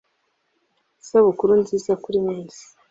Isabukuru nziza kuri mwese